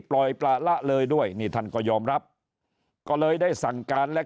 ปล่อยประละเลยด้วยนี่ท่านก็ยอมรับก็เลยได้สั่งการและ